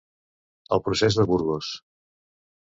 El procés de Burgos.